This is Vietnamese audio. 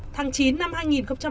thăng ký kênh để nhận thông tin nhất